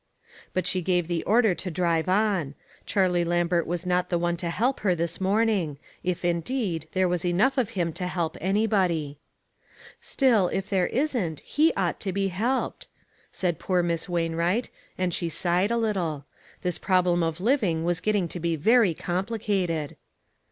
But she gave the order to drive on. Char lie Lambert was not the one to help her this morning ; if, indeed, there was enough of him to help anybody. " Still, if there isn't, he ought to be helped," said poor Miss Wainwright, and she sighed a little. This problem of living was getting to be very complicated.